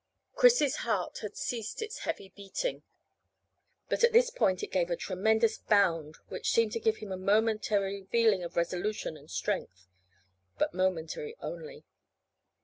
Chris's heart had ceased its heavy beating, but at this point it gave a tremendous bound which seemed to give him a momentary feeling of resolution and strength; but momentary only.